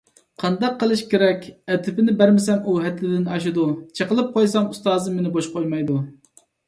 قانداق قىلىش كېرەك، ئەدىپىنى بەرمىسەم، ئۇ ھەددىدىن ئاشىدۇ، چېقىلىپ قويسام، ئۇستازىم مېنى بوش قويمايدۇ.